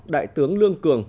đại tướng lương cường